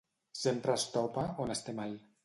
Sempre es topa on es té mal.